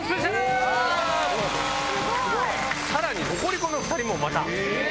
さらにココリコの２人もまた！